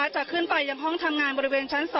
จะขึ้นไปยังห้องทำงานบริเวณชั้น๒